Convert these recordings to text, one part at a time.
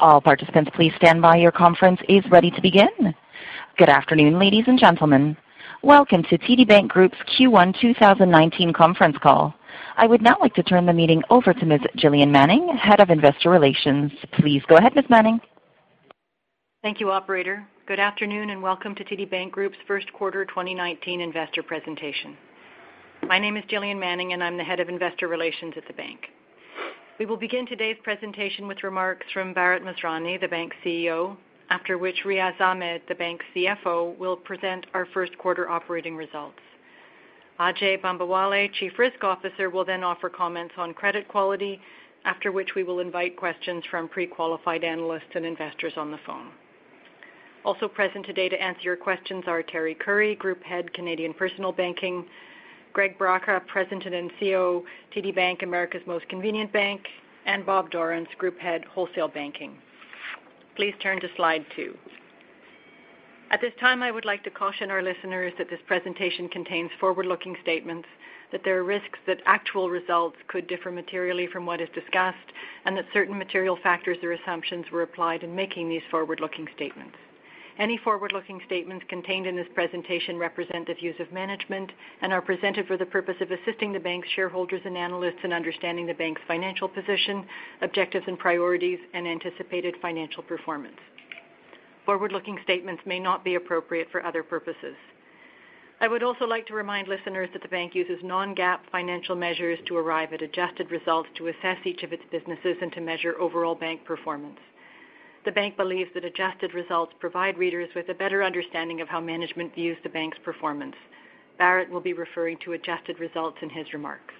All participants, please stand by. Your conference is ready to begin. Good afternoon, ladies and gentlemen. Welcome to TD Bank Group's Q1 2019 conference call. I would now like to turn the meeting over to Ms. Gillian Manning, Head of Investor Relations. Please go ahead, Ms. Manning. Thank you, operator. Good afternoon. Welcome to TD Bank Group's first quarter 2019 investor presentation. My name is Gillian Manning. I'm the Head of Investor Relations at the bank. We will begin today's presentation with remarks from Bharat Masrani, the bank's CEO, after which Riaz Ahmed, the bank's CFO, will present our first quarter operating results. Ajai Bambawale, Chief Risk Officer, will then offer comments on credit quality, after which we will invite questions from pre-qualified analysts and investors on the phone. Also present today to answer your questions are Teri Currie, Group Head, Canadian Personal Banking; Greg Braca, President and CEO, TD Bank, America's Most Convenient Bank; and Bob Dorrance, Group Head, Wholesale Banking. Please turn to Slide 2. At this time, I would like to caution our listeners that this presentation contains forward-looking statements, that there are risks that actual results could differ materially from what is discussed, certain material factors or assumptions were applied in making these forward-looking statements. Any forward-looking statements contained in this presentation represent the views of management and are presented for the purpose of assisting the bank's shareholders, analysts in understanding the bank's financial position, objectives and priorities, anticipated financial performance. Forward-looking statements may not be appropriate for other purposes. I would also like to remind listeners that the bank uses non-GAAP financial measures to arrive at adjusted results to assess each of its businesses and to measure overall bank performance. The bank believes that adjusted results provide readers with a better understanding of how management views the bank's performance. Bharat will be referring to adjusted results in his remarks.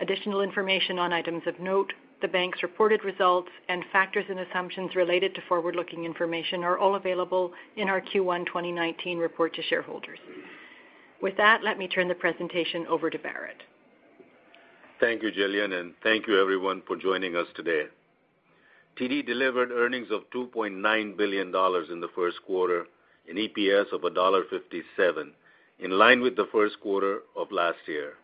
Additional information on items of note, the bank's reported results, factors and assumptions related to forward-looking information are all available in our Q1 2019 report to shareholders. With that, let me turn the presentation over to Bharat. Thank you, Gillian, thank you, everyone, for joining us today. TD delivered earnings of 2.9 billion dollars in the first quarter and EPS of dollar 1.57, in line with the first quarter of last year.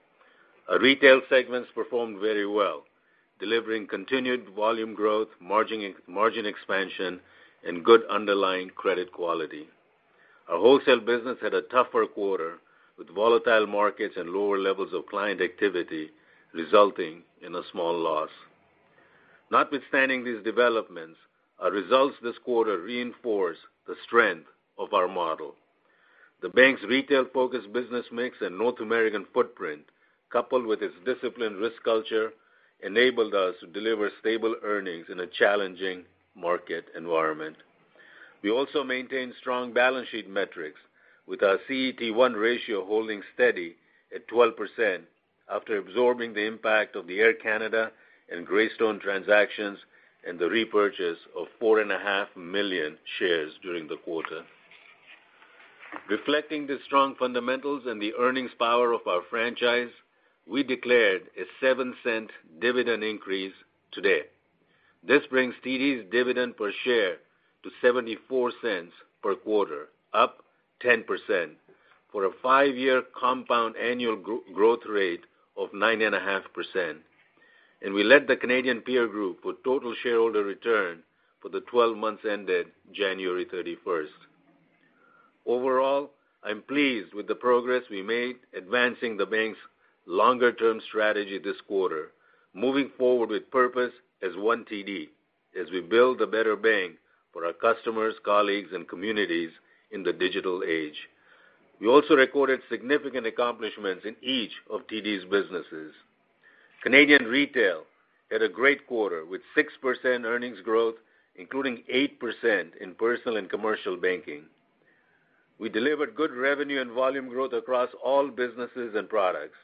Our retail segments performed very well, delivering continued volume growth, margin expansion, and good underlying credit quality. Our Wholesale business had a tougher quarter, with volatile markets and lower levels of client activity resulting in a small loss. Notwithstanding these developments, our results this quarter reinforce the strength of our model. The bank's retail-focused business mix and North American footprint, coupled with its disciplined risk culture, enabled us to deliver stable earnings in a challenging market environment. We also maintained strong balance sheet metrics, with our CET1 ratio holding steady at 12% after absorbing the impact of the Air Canada and Greystone transactions and the repurchase of four and a half million shares during the quarter. Reflecting the strong fundamentals and the earnings power of our franchise, we declared a 0.07 dividend increase today. This brings TD's dividend per share to 0.74 per quarter, up 10%, for a five-year compound annual growth rate of nine and a half percent. We led the Canadian peer group for total shareholder return for the 12 months ended January 31st. Overall, I'm pleased with the progress we made advancing the bank's longer-term strategy this quarter, moving forward with purpose as one TD as we build a better bank for our customers, colleagues, and communities in the digital age. We also recorded significant accomplishments in each of TD's businesses. Canadian retail had a great quarter, with 6% earnings growth, including 8% in Personal and Commercial Banking. We delivered good revenue and volume growth across all businesses and products.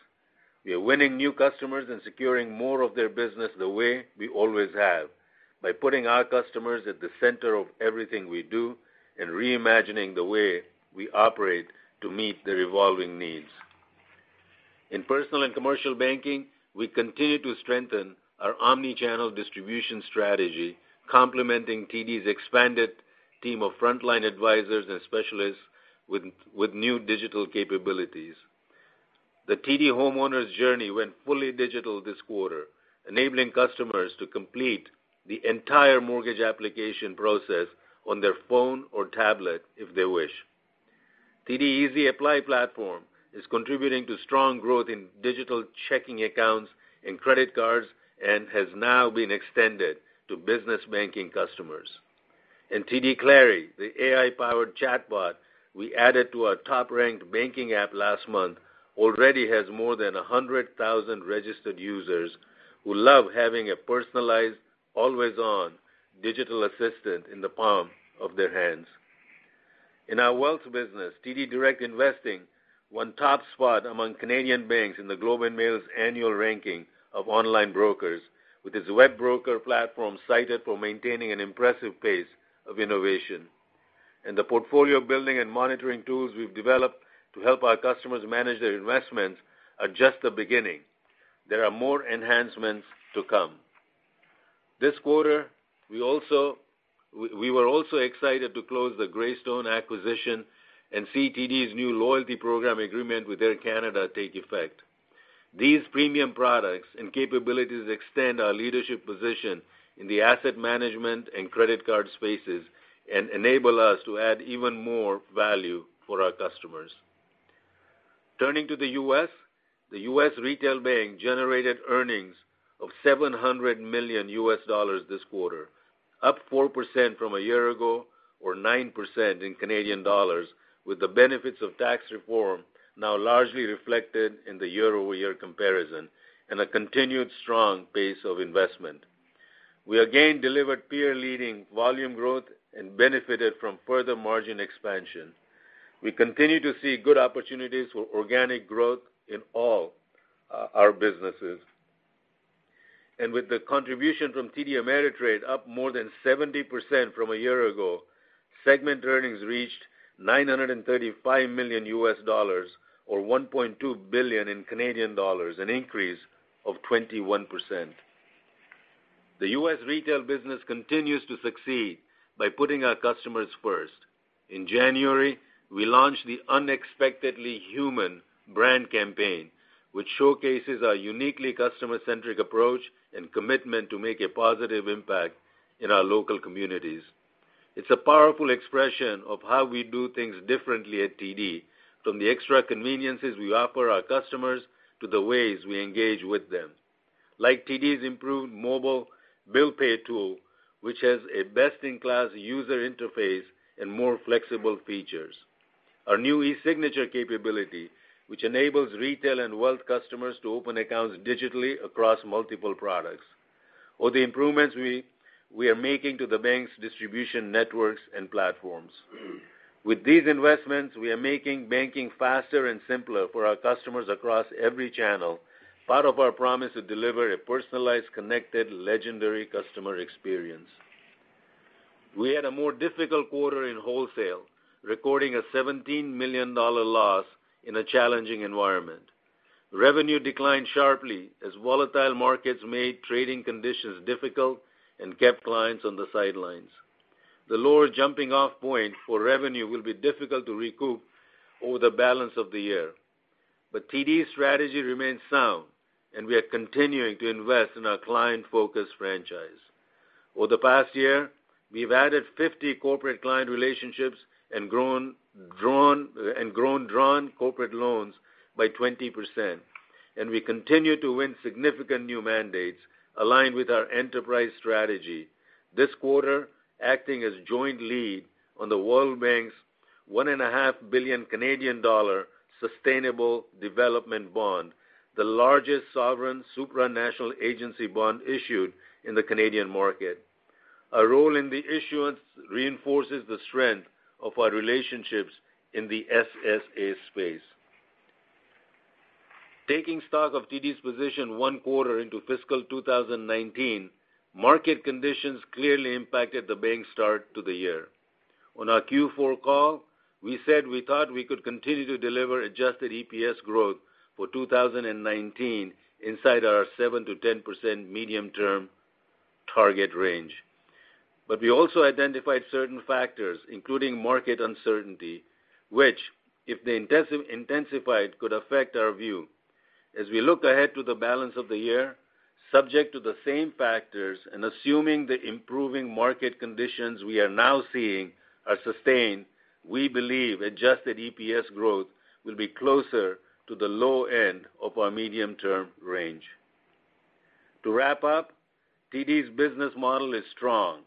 We are winning new customers and securing more of their business the way we always have, by putting our customers at the center of everything we do and reimagining the way we operate to meet their evolving needs. In Personal and Commercial Banking, we continue to strengthen our omni-channel distribution strategy, complementing TD's expanded team of frontline advisors and specialists with new digital capabilities. The TD homeowner's journey went fully digital this quarter, enabling customers to complete the entire mortgage application process on their phone or tablet if they wish. TD Easy Apply platform is contributing to strong growth in digital checking accounts and credit cards and has now been extended to business banking customers. TD Clari, the AI-powered chatbot we added to our top-ranked banking app last month, already has more than 100,000 registered users who love having a personalized, always-on digital assistant in the palm of their hands. In our wealth business, TD Direct Investing won top spot among Canadian banks in The Globe and Mail's annual ranking of online brokers, with its WebBroker platform cited for maintaining an impressive pace of innovation. The portfolio building and monitoring tools we've developed to help our customers manage their investments are just the beginning. There are more enhancements to come. This quarter, we were also excited to close the Greystone acquisition and see TD's new loyalty program agreement with Air Canada take effect. These premium products and capabilities extend our leadership position in the asset management and credit card spaces and enable us to add even more value for our customers. Turning to the U.S., the U.S. retail bank generated earnings of $700 million this quarter, up 4% from a year ago or 9% in CAD, with the benefits of tax reform now largely reflected in the year-over-year comparison and a continued strong pace of investment. We again delivered peer-leading volume growth and benefited from further margin expansion. We continue to see good opportunities for organic growth in all our businesses. With the contribution from TD Ameritrade up more than 70% from a year ago, segment earnings reached $935 million, or 1.2 billion, an increase of 21%. The U.S. retail business continues to succeed by putting our customers first. In January, we launched the Unexpectedly Human brand campaign, which showcases our uniquely customer-centric approach and commitment to make a positive impact in our local communities. It's a powerful expression of how we do things differently at TD, from the extra conveniences we offer our customers to the ways we engage with them. Like TD's improved mobile bill pay tool, which has a best-in-class user interface and more flexible features. Our new e-signature capability, which enables retail and wealth customers to open accounts digitally across multiple products, or the improvements we are making to the bank's distribution networks and platforms. With these investments, we are making banking faster and simpler for our customers across every channel, part of our promise to deliver a personalized, connected, legendary customer experience. We had a more difficult quarter in wholesale, recording a 17 million dollar loss in a challenging environment. Revenue declined sharply as volatile markets made trading conditions difficult and kept clients on the sidelines. The lower jumping-off point for revenue will be difficult to recoup over the balance of the year. TD's strategy remains sound, and we are continuing to invest in our client-focused franchise. Over the past year, we've added 50 corporate client relationships and grown drawn corporate loans by 20%, and we continue to win significant new mandates aligned with our enterprise strategy. This quarter, acting as joint lead on the World Bank's 1.5 billion Canadian dollar sustainable development bond, the largest Sovereign, Supranational, Agency bond issued in the Canadian market. Our role in the issuance reinforces the strength of our relationships in the SSA space. Taking stock of TD's position one quarter into fiscal 2019, market conditions clearly impacted the bank's start to the year. On our Q4 call, we said we thought we could continue to deliver adjusted EPS growth for 2019 inside our 7%-10% medium-term target range. We also identified certain factors, including market uncertainty, which, if they intensified, could affect our view. We look ahead to the balance of the year, subject to the same factors and assuming the improving market conditions we are now seeing are sustained, we believe adjusted EPS growth will be closer to the low end of our medium-term range. To wrap up, TD's business model is strong.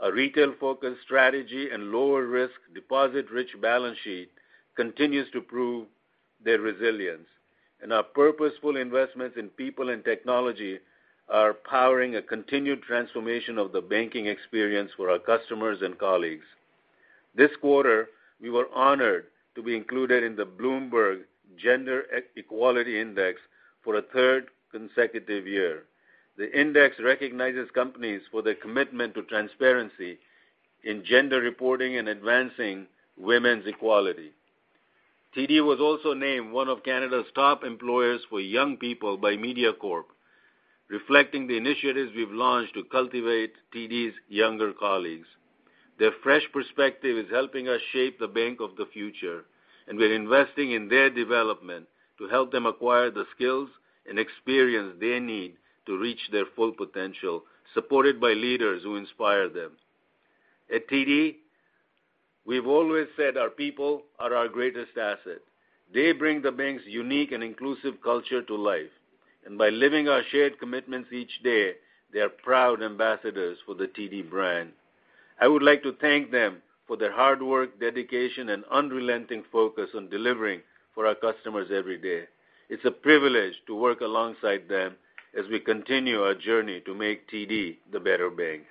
Our retail-focused strategy and lower risk, deposit-rich balance sheet continues to prove their resilience. Our purposeful investments in people and technology are powering a continued transformation of the banking experience for our customers and colleagues. This quarter, we were honored to be included in the Bloomberg Gender-Equality Index for a third consecutive year. The index recognizes companies for their commitment to transparency in gender reporting and advancing women's equality. TD was also named one of Canada's top employers for young people by Mediacorp, reflecting the initiatives we've launched to cultivate TD's younger colleagues. Their fresh perspective is helping us shape the bank of the future, and we're investing in their development to help them acquire the skills and experience they need to reach their full potential, supported by leaders who inspire them. At TD, we've always said our people are our greatest asset. They bring the bank's unique and inclusive culture to life, and by living our shared commitments each day, they are proud ambassadors for the TD brand. I would like to thank them for their hard work, dedication, and unrelenting focus on delivering for our customers every day. It's a privilege to work alongside them as we continue our journey to make TD the better bank.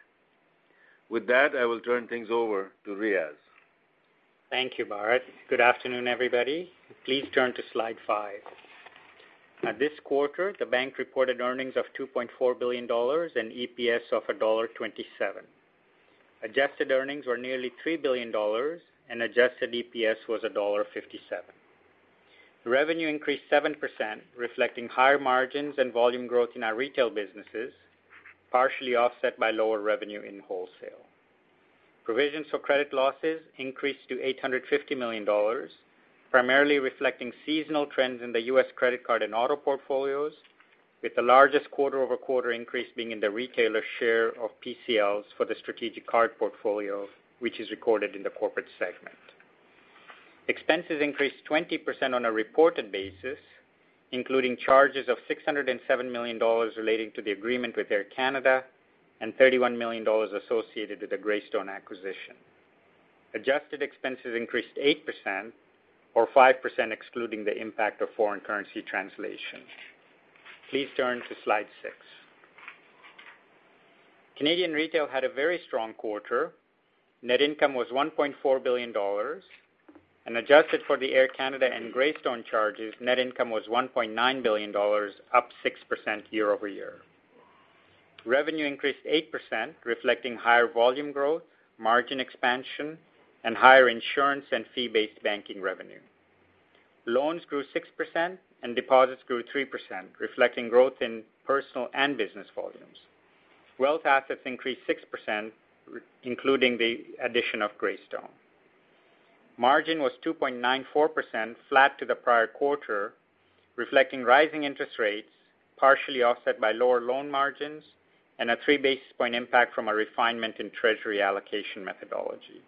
With that, I will turn things over to Riaz. Thank you, Bharat. Good afternoon, everybody. Please turn to slide five. This quarter, the bank reported earnings of 2.4 billion dollars and EPS of dollar 1.27. Adjusted earnings were nearly 3 billion dollars, and adjusted EPS was dollar 1.57. Revenue increased 7%, reflecting higher margins and volume growth in our retail businesses, partially offset by lower revenue in Wholesale Banking. Provisions for credit losses increased to 850 million dollars, primarily reflecting seasonal trends in the U.S. credit card and auto portfolios, with the largest quarter-over-quarter increase being in the retailer share of PCLs for the strategic card portfolio, which is recorded in the corporate segment. Expenses increased 20% on a reported basis, including charges of 607 million dollars relating to the agreement with Air Canada and 31 million dollars associated with the Greystone acquisition. Adjusted expenses increased 8%, or 5% excluding the impact of foreign currency translation. Please turn to slide six. Canadian retail had a very strong quarter. Net income was 1.4 billion dollars, and adjusted for the Air Canada and Greystone charges, net income was 1.9 billion dollars, up 6% year-over-year. Revenue increased 8%, reflecting higher volume growth, margin expansion, and higher insurance and fee-based banking revenue. Loans grew 6% and deposits grew 3%, reflecting growth in personal and business volumes. Wealth assets increased 6%, including the addition of Greystone. Margin was 2.94%, flat to the prior quarter, reflecting rising interest rates, partially offset by lower loan margins and a three basis point impact from a refinement in treasury allocation methodology.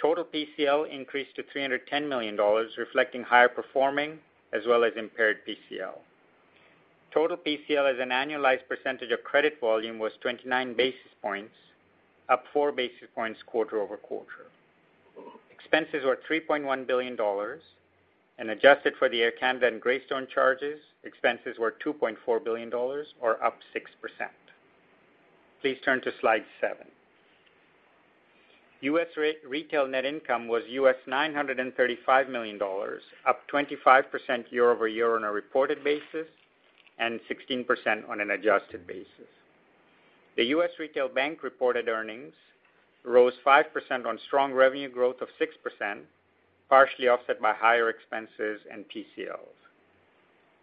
Total PCL increased to 310 million dollars, reflecting higher performing as well as impaired PCL. Total PCL as an annualized percentage of credit volume was 29 basis points, up four basis points quarter-over-quarter. Expenses were 3.1 billion dollars. Adjusted for the Air Canada and Greystone charges, expenses were 2.4 billion dollars or up 6%. Please turn to Slide 7. U.S. retail net income was US $935 million, up 25% year-over-year on a reported basis and 16% on an adjusted basis. The U.S. Retail Bank reported earnings rose 5% on strong revenue growth of 6%, partially offset by higher expenses and PCLs.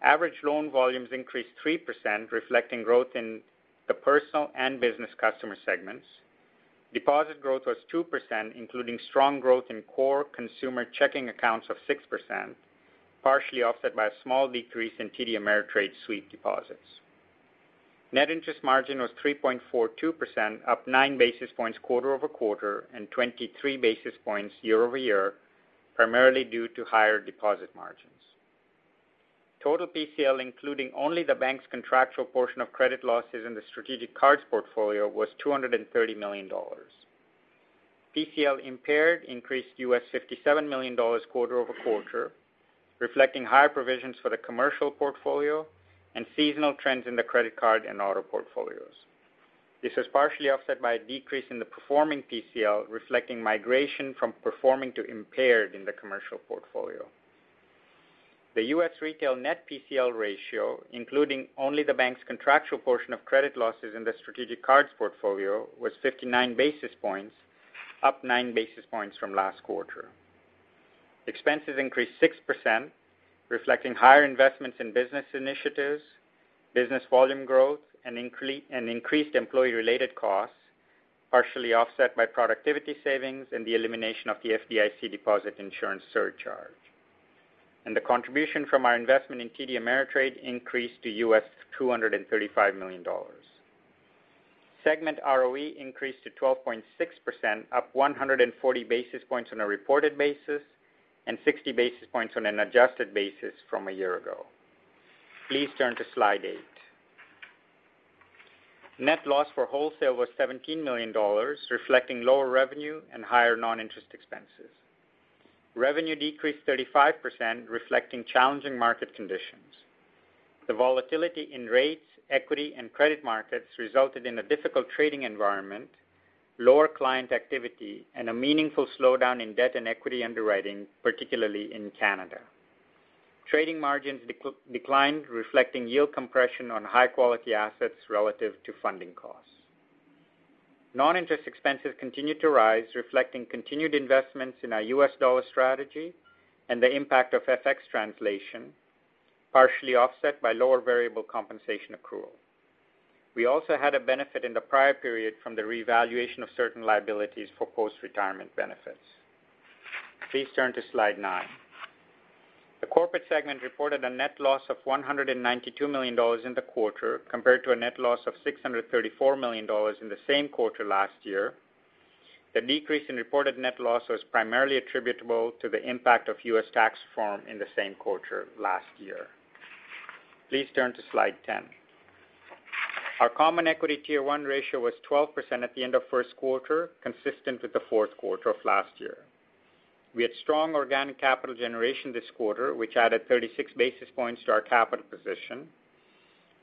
Average loan volumes increased 3%, reflecting growth in the personal and business customer segments. Deposit growth was 2%, including strong growth in core consumer checking accounts of 6%, partially offset by a small decrease in TD Ameritrade sweep deposits. Net interest margin was 3.42%, up nine basis points quarter-over-quarter and 23 basis points year-over-year, primarily due to higher deposit margins. Total PCL, including only the bank's contractual portion of credit losses in the strategic cards portfolio, was $230 million. PCL impaired increased US $57 million quarter-over-quarter, reflecting higher provisions for the commercial portfolio and seasonal trends in the credit card and auto portfolios. This was partially offset by a decrease in the performing PCL, reflecting migration from performing to impaired in the commercial portfolio. The U.S. retail net PCL ratio, including only the bank's contractual portion of credit losses in the strategic cards portfolio, was 59 basis points, up nine basis points from last quarter. Expenses increased 6%, reflecting higher investments in business initiatives, business volume growth, and increased employee-related costs, partially offset by productivity savings and the elimination of the FDIC deposit insurance surcharge. The contribution from our investment in TD Ameritrade increased to US $235 million. Segment ROE increased to 12.6%, up 140 basis points on a reported basis and 60 basis points on an adjusted basis from a year ago. Please turn to Slide 8. Net loss for Wholesale was 17 million dollars, reflecting lower revenue and higher non-interest expenses. Revenue decreased 35%, reflecting challenging market conditions. The volatility in rates, equity, and credit markets resulted in a difficult trading environment, lower client activity, and a meaningful slowdown in debt and equity underwriting, particularly in Canada. Trading margins declined, reflecting yield compression on high-quality assets relative to funding costs. Non-interest expenses continued to rise, reflecting continued investments in our U.S. dollar strategy and the impact of FX translation, partially offset by lower variable compensation accrual. We also had a benefit in the prior period from the revaluation of certain liabilities for post-retirement benefits. Please turn to Slide 9. The corporate segment reported a net loss of 192 million dollars in the quarter, compared to a net loss of 634 million dollars in the same quarter last year. The decrease in reported net loss was primarily attributable to the impact of U.S. tax reform in the same quarter last year. Please turn to Slide 10. Our common equity Tier 1 ratio was 12% at the end of first quarter, consistent with the fourth quarter of last year. We had strong organic capital generation this quarter, which added 36 basis points to our capital position.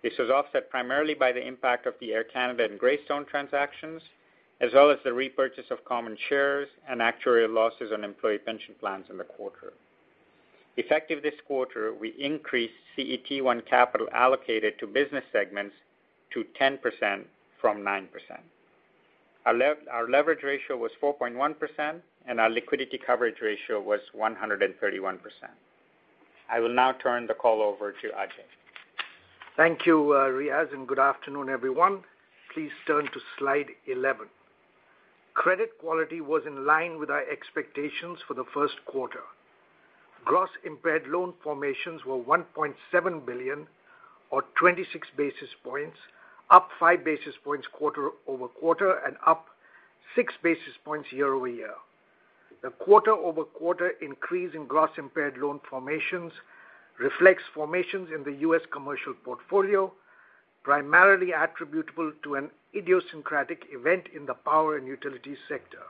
This was offset primarily by the impact of the Air Canada and Greystone transactions, as well as the repurchase of common shares and actuarial losses on employee pension plans in the quarter. Effective this quarter, we increased CET1 capital allocated to business segments to 10% from 9%. Our leverage ratio was 4.1%, and our liquidity coverage ratio was 131%. I will now turn the call over to Ajai. Thank you, Riaz, and good afternoon, everyone. Please turn to slide 11. Credit quality was in line with our expectations for the first quarter. Gross impaired loan formations were 1.7 billion, or 26 basis points, up five basis points quarter-over-quarter, and up six basis points year-over-year. The quarter-over-quarter increase in gross impaired loan formations reflects formations in the U.S. commercial portfolio, primarily attributable to an idiosyncratic event in the power and utility sector,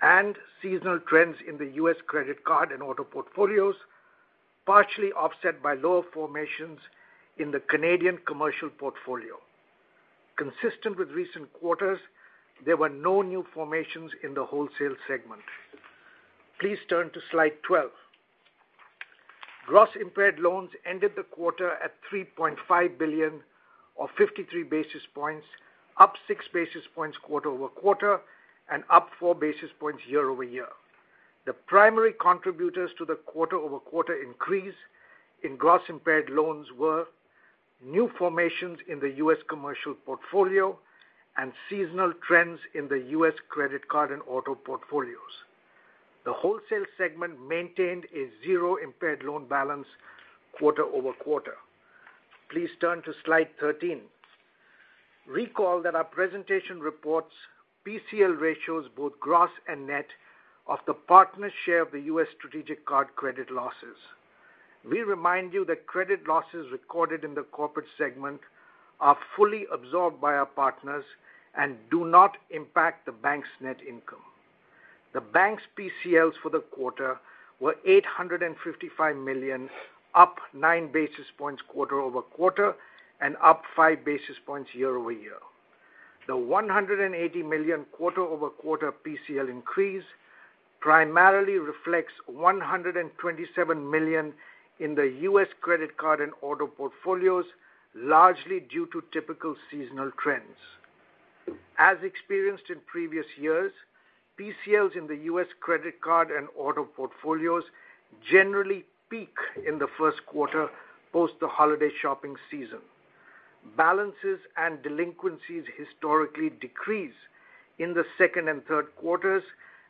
and seasonal trends in the U.S. credit card and auto portfolios, partially offset by lower formations in the Canadian commercial portfolio. Consistent with recent quarters, there were no new formations in the Wholesale segment. Please turn to slide 12. Gross impaired loans ended the quarter at 3.5 billion or 53 basis points, up six basis points quarter-over-quarter, and up four basis points year-over-year. The primary contributors to the quarter-over-quarter increase in gross impaired loans were new formations in the U.S. commercial portfolio and seasonal trends in the U.S. credit card and auto portfolios. The Wholesale segment maintained a zero impaired loan balance quarter-over-quarter. Please turn to slide 13. Recall that our presentation reports PCL ratios, both gross and net, of the partner's share of the U.S. Strategic Card credit losses. We remind you that credit losses recorded in the corporate segment are fully absorbed by our partners and do not impact the bank's net income. The bank's PCLs for the quarter were 855 million, up nine basis points quarter-over-quarter, and up five basis points year-over-year. The 180 million quarter-over-quarter PCL increase primarily reflects 127 million in the U.S. credit card and auto portfolios, largely due to typical seasonal trends. As experienced in previous years, PCLs in the U.S. credit card and auto portfolios generally peak in the first quarter post the holiday shopping season. Balances and delinquencies historically decrease in the second and third quarters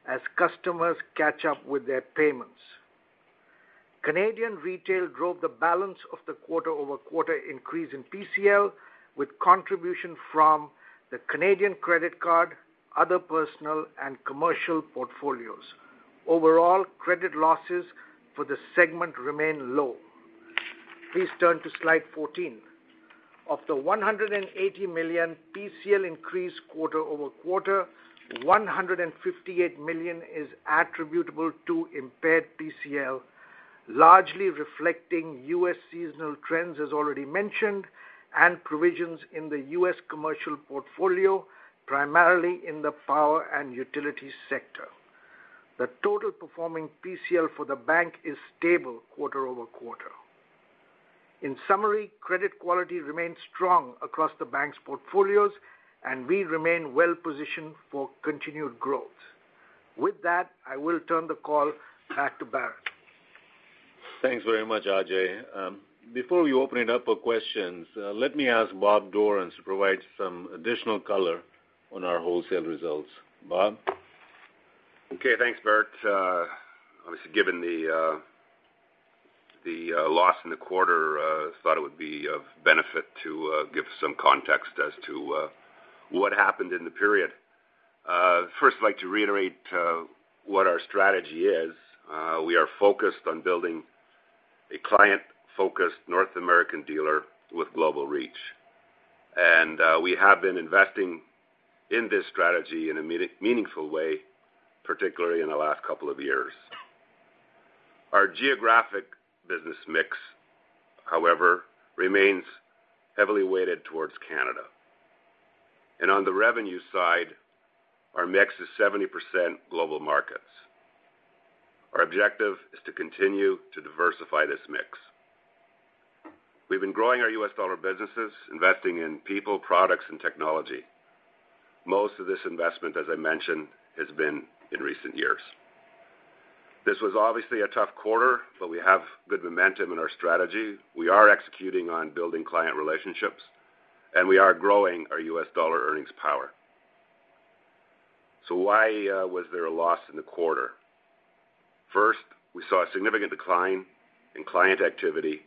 as customers catch up with their payments. Canadian Retail drove the balance of the quarter-over-quarter increase in PCL, with contribution from the Canadian credit card, other personal, and commercial portfolios. Overall, credit losses for the segment remain low. Please turn to slide 14. Of the 180 million PCL increase quarter-over-quarter, 158 million is attributable to impaired PCL, largely reflecting U.S. seasonal trends as already mentioned, and provisions in the U.S. commercial portfolio, primarily in the power and utility sector. The total performing PCL for the bank is stable quarter-over-quarter. In summary, credit quality remains strong across the bank's portfolios, and we remain well-positioned for continued growth. With that, I will turn the call back to Bharat. Thanks very much, Ajai. Before we open it up for questions, let me ask Bob Dorrance to provide some additional color on our wholesale results. Bob? Okay. Thanks, Bharat. Obviously, given the loss in the quarter, I thought it would be of benefit to give some context as to what happened in the period. First, I'd like to reiterate what our strategy is. We are focused on building a client-focused North American dealer with global reach. We have been investing in this strategy in a meaningful way, particularly in the last couple of years. Our geographic business mix, however, remains heavily weighted towards Canada. On the revenue side, our mix is 70% global markets. Our objective is to continue to diversify this mix. We've been growing our U.S. dollar businesses, investing in people, products, and technology. Most of this investment, as I mentioned, has been in recent years. This was obviously a tough quarter. We have good momentum in our strategy. We are executing on building client relationships, and we are growing our U.S. dollar earnings power. Why was there a loss in the quarter? First, we saw a significant decline in client activity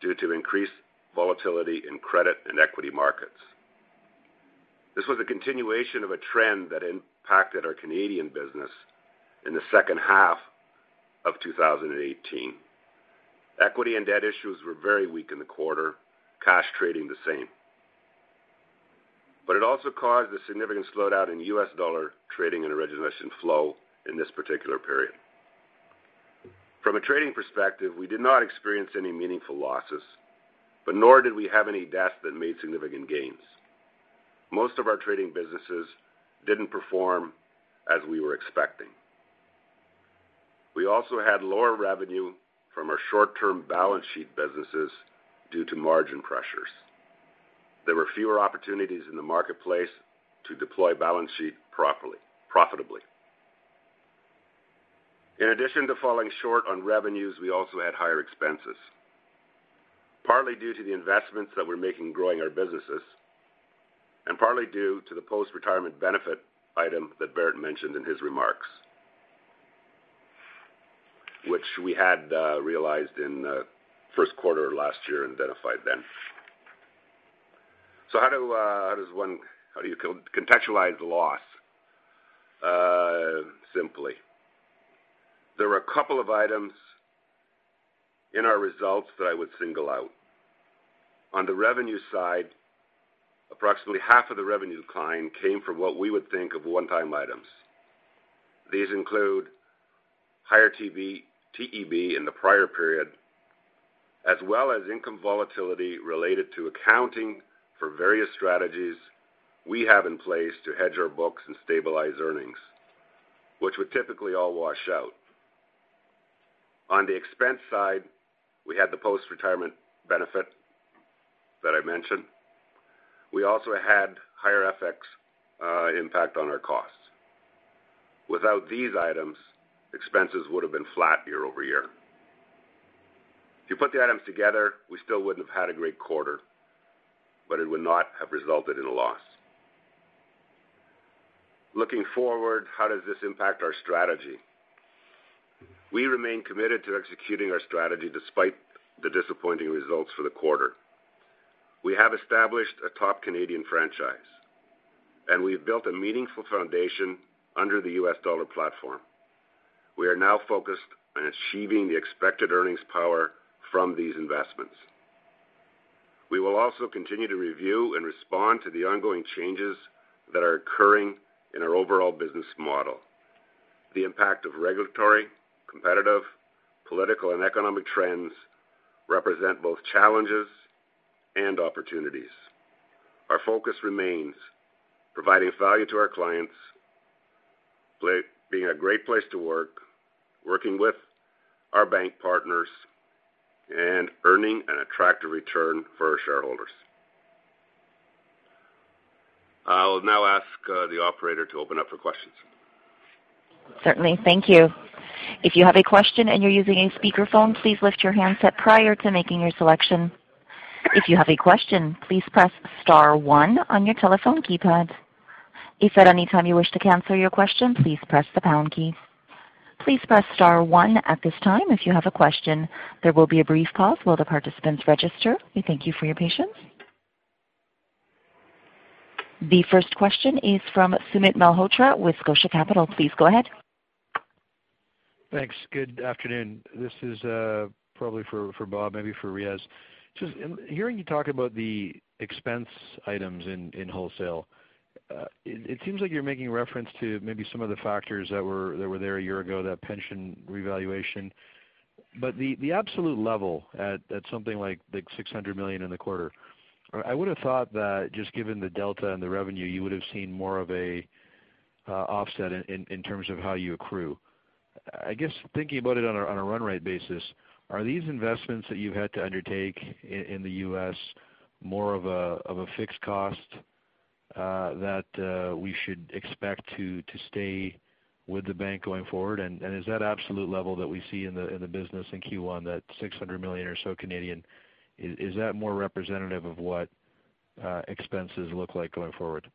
due to increased volatility in credit and equity markets. This was a continuation of a trend that impacted our Canadian business in the second half of 2018. Equity and debt issues were very weak in the quarter, cash trading the same. It also caused a significant slowdown in U.S. dollar trading and origination flow in this particular period. From a trading perspective, we did not experience any meaningful losses. Nor did we have any desks that made significant gains. Most of our trading businesses didn't perform as we were expecting. We also had lower revenue from our short-term balance sheet businesses due to margin pressures. There were fewer opportunities in the marketplace to deploy balance sheet profitably. In addition to falling short on revenues, we also had higher expenses, partly due to the investments that we're making growing our businesses, and partly due to the post-retirement benefit item that Bharat mentioned in his remarks, which we had realized in first quarter last year, identified then. How do you contextualize the loss simply? There were a couple of items in our results that I would single out. On the revenue side, approximately half of the revenue decline came from what we would think of one-time items. These include higher TEB in the prior period, as well as income volatility related to accounting for various strategies we have in place to hedge our books and stabilize earnings, which would typically all wash out. On the expense side, we had the post-retirement benefit that I mentioned. We also had higher FX impact on our costs. Without these items, expenses would have been flat year-over-year. If you put the items together, we still wouldn't have had a great quarter, but it would not have resulted in a loss. Looking forward, how does this impact our strategy? We remain committed to executing our strategy despite the disappointing results for the quarter. We have established a top Canadian franchise, and we've built a meaningful foundation under the U.S. dollar platform. We are now focused on achieving the expected earnings power from these investments. We will also continue to review and respond to the ongoing changes that are occurring in our overall business model. The impact of regulatory, competitive, political, and economic trends represent both challenges and opportunities. Our focus remains providing value to our clients, being a great place to work, working with our bank partners, and earning an attractive return for our shareholders. I'll now ask the operator to open up for questions. Certainly. Thank you. If you have a question and you're using a speakerphone, please lift your handset prior to making your selection. If you have a question, please press star one on your telephone keypad. If at any time you wish to cancel your question, please press the pound key. Please press star one at this time if you have a question. There will be a brief pause while the participants register. We thank you for your patience. The first question is from Sumit Malhotra with Scotia Capital. Please go ahead. Thanks. Good afternoon. This is probably for Bob, maybe for Riaz. Just hearing you talk about the expense items in wholesale, it seems like you're making reference to maybe some of the factors that were there a year ago, that pension revaluation. The absolute level at something like 600 million in the quarter, I would have thought that just given the delta and the revenue, you would have seen more of an offset in terms of how you accrue. I guess, thinking about it on a run rate basis, are these investments that you've had to undertake in the U.S. more of a fixed cost that we should expect to stay with the bank going forward? Is that absolute level that we see in the business in Q1, that 600 million or so, is that more representative of what expenses look like going forward?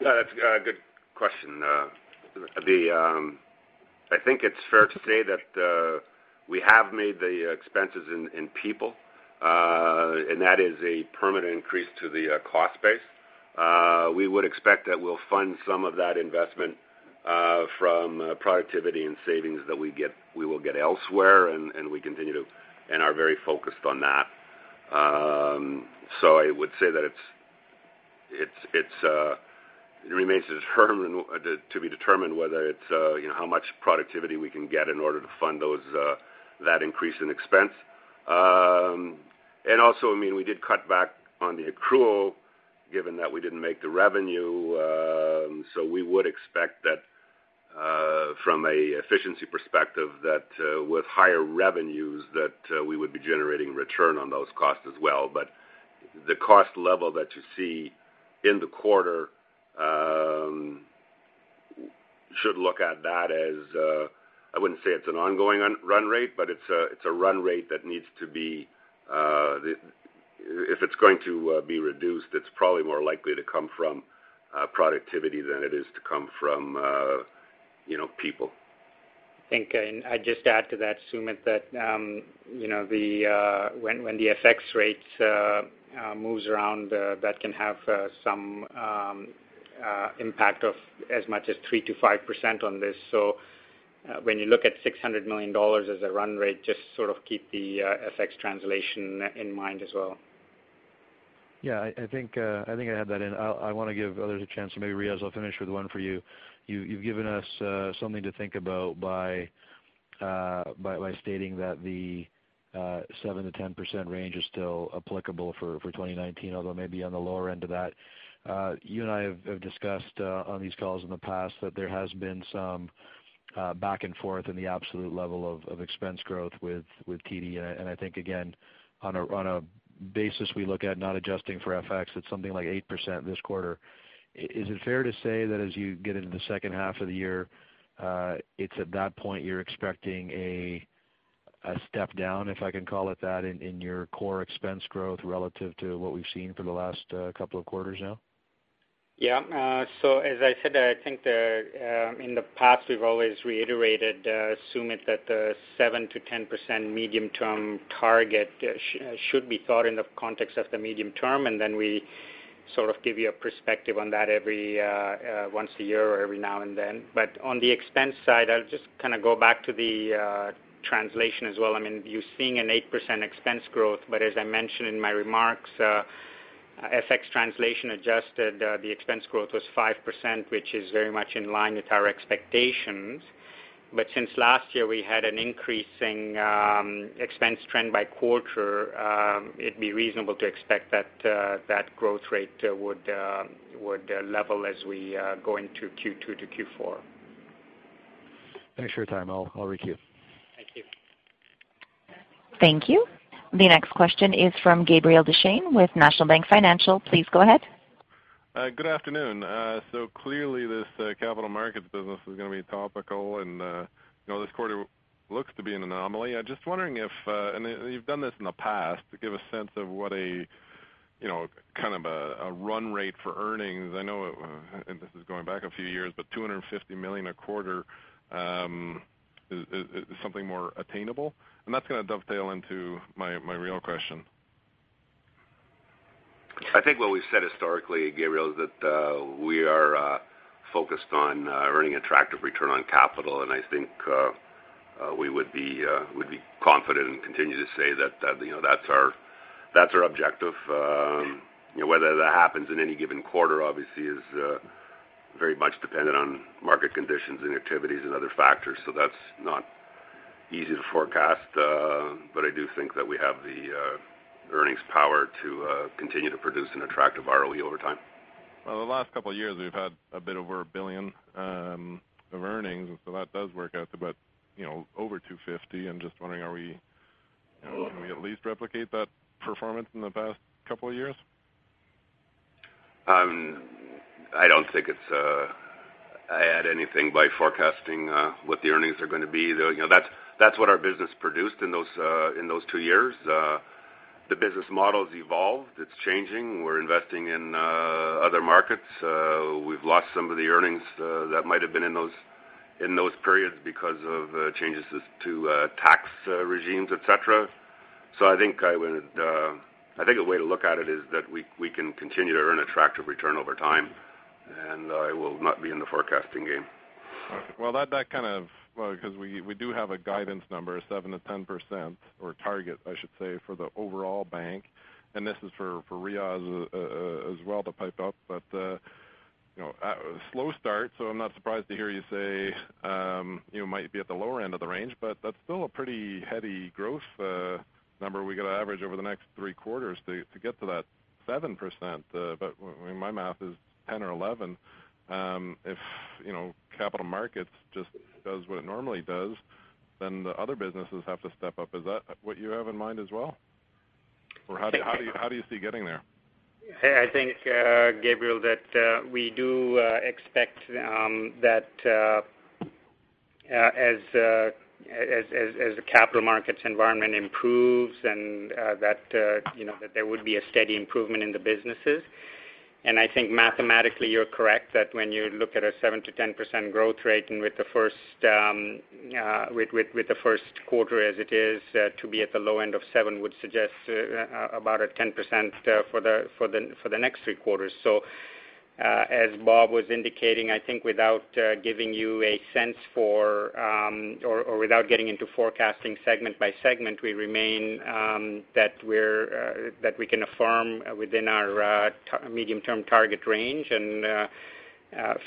That's a good question. I think it's fair to say that we have made the expenses in people, and that is a permanent increase to the cost base. We would expect that we'll fund some of that investment from productivity and savings that we will get elsewhere, and we continue to and are very focused on that. I would say that it remains to be determined how much productivity we can get in order to fund that increase in expense. Also, we did cut back on the accrual given that we didn't make the revenue. We would expect that from an efficiency perspective, that with higher revenues, that we would be generating return on those costs as well. The cost level that you see in the quarter, should look at that as, I wouldn't say it's an ongoing run rate, but it's a run rate that if it's going to be reduced, it's probably more likely to come from productivity than it is to come from people. I think I'd just add to that, Sumit, that when the FX rate moves around, that can have some impact of as much as 3% to 5% on this. When you look at 600 million dollars as a run rate, just sort of keep the FX translation in mind as well. I think I had that in. I want to give others a chance, maybe Riaz, I'll finish with one for you. You've given us something to think about by stating that the 7% to 10% range is still applicable for 2019, although it may be on the lower end of that. You and I have discussed on these calls in the past that there has been some back and forth in the absolute level of expense growth with TD. I think, again, on a basis we look at not adjusting for FX, it's something like 8% this quarter. Is it fair to say that as you get into the second half of the year, it's at that point you're expecting a step down, if I can call it that, in your core expense growth relative to what we've seen for the last couple of quarters now? As I said, I think in the past we've always reiterated, Sumit Malhotra, that the 7%-10% medium-term target should be thought in the context of the medium term. Then we sort of give you a perspective on that every once a year or every now and then. On the expense side, I'll just kind of go back to the translation as well. You're seeing an 8% expense growth, as I mentioned in my remarks, FX translation adjusted, the expense growth was 5%, which is very much in line with our expectations. Since last year we had an increasing expense trend by quarter, it'd be reasonable to expect that that growth rate would level as we go into Q2 to Q4. Thanks for your time. I'll recue. Thank you. Thank you. The next question is from Gabriel Dechaine with National Bank Financial. Please go ahead. Good afternoon. Clearly this capital markets business is going to be topical, this quarter looks to be an anomaly. I'm just wondering if, you've done this in the past, to give a sense of what a kind of a run rate for earnings. I know, this is going back a few years, 250 million a quarter is something more attainable? That's going to dovetail into my real question. I think what we've said historically, Gabriel, is that we are focused on earning attractive return on capital, I think we would be confident and continue to say that that's our objective. Whether that happens in any given quarter, obviously, is very much dependent on market conditions and activities and other factors. That's not easy to forecast. I do think that we have the earnings power to continue to produce an attractive ROE over time. Well, the last couple of years, we've had a bit over 1 billion of earnings, that does work out to about over 250. I'm just wondering, can we at least replicate that performance in the past couple of years? I don't think it's add anything by forecasting what the earnings are going to be. That's what our business produced in those two years. The business model's evolved. It's changing. We're investing in other markets. We've lost some of the earnings that might have been in those periods because of changes to tax regimes, et cetera. I think a way to look at it is that we can continue to earn attractive return over time, I will not be in the forecasting game. Because we do have a guidance number of 7%-10%, or target, I should say, for the overall bank, and this is for Riaz as well to pipe up. Slow start, so I am not surprised to hear you say you might be at the lower end of the range, but that is still a pretty heady growth number we got to average over the next three quarters to get to that 7%. My math is 10 or 11. If capital markets just does what it normally does, then the other businesses have to step up. Is that what you have in mind as well? Or how do you see getting there? I think, Gabriel, that we do expect that as the capital markets environment improves, and that there would be a steady improvement in the businesses. I think mathematically you are correct that when you look at a 7%-10% growth rate and with the first quarter as it is to be at the low end of 7, would suggest about a 10% for the next three quarters. As Bob was indicating, I think without giving you a sense for or without getting into forecasting segment by segment, we remain that we can affirm within our medium-term target range and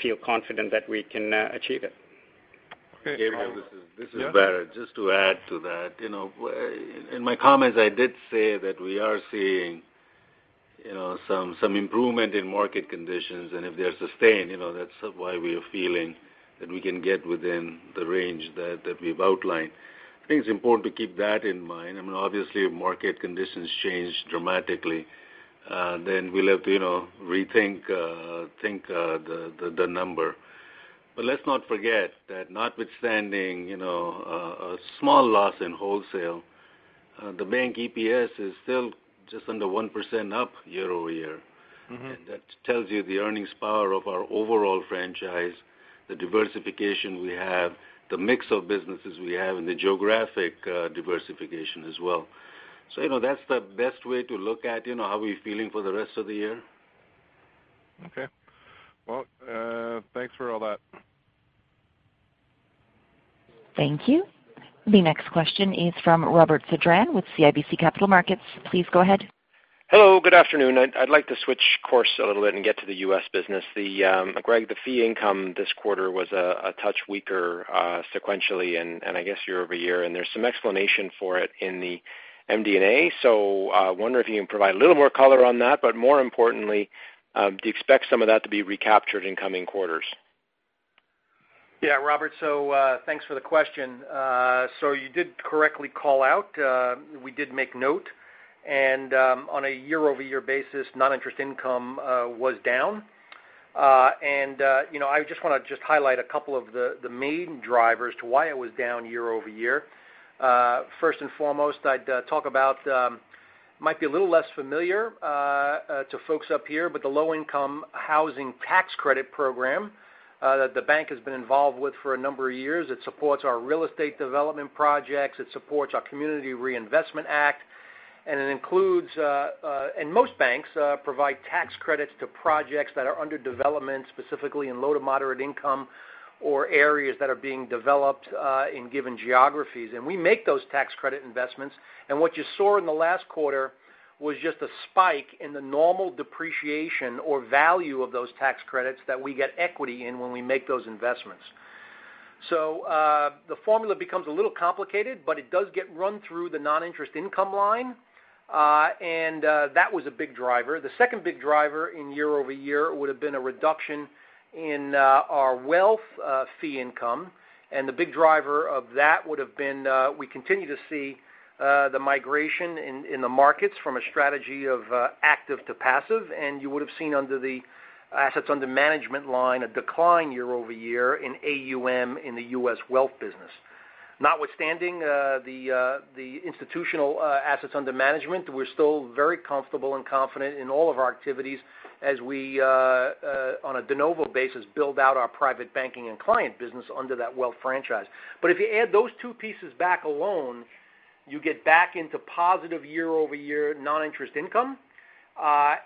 feel confident that we can achieve it. Okay. Gabriel, this is Bharat. Just to add to that. In my comments, I did say that we are seeing some improvement in market conditions, and if they are sustained, that is why we are feeling that we can get within the range that we have outlined. I think it is important to keep that in mind. If market conditions change dramatically, then we will have to rethink the number. Let us not forget that notwithstanding a small loss in wholesale, the bank EPS is still just under 1% up year-over-year. That tells you the earnings power of our overall franchise, the diversification we have, the mix of businesses we have, and the geographic diversification as well. That is the best way to look at how we are feeling for the rest of the year. Okay. Well, thanks for all that. Thank you. The next question is from Robert Sedran with CIBC Capital Markets. Please go ahead. Hello. Good afternoon. I'd like to switch course a little bit and get to the U.S. business. Greg, the fee income this quarter was a touch weaker sequentially, I guess year-over-year, and there's some explanation for it in the MD&A. I wonder if you can provide a little more color on that, but more importantly, do you expect some of that to be recaptured in coming quarters? Yeah. Robert, thanks for the question. You did correctly call out. We did make note, and on a year-over-year basis, non-interest income was down. I just want to highlight a couple of the main drivers to why it was down year-over-year. First and foremost, I'd talk about, might be a little less familiar to folks up here, but the Low-Income Housing Tax Credit program that the bank has been involved with for a number of years. It supports our real estate development projects, it supports our Community Reinvestment Act, and most banks provide tax credits to projects that are under development, specifically in low to moderate income or areas that are being developed in given geographies. We make those tax credit investments. What you saw in the last quarter was just a spike in the normal depreciation or value of those tax credits that we get equity in when we make those investments. The formula becomes a little complicated, but it does get run through the non-interest income line. That was a big driver. The second big driver in year-over-year would have been a reduction in our wealth fee income, and the big driver of that would have been, we continue to see the migration in the markets from a strategy of active to passive, and you would have seen under the assets under management line, a decline year-over-year in AUM in the U.S. wealth business. Notwithstanding the institutional assets under management, we're still very comfortable and confident in all of our activities as we, on a de novo basis, build out our private banking and client business under that wealth franchise. If you add those two pieces back alone, you get back into positive year-over-year non-interest income.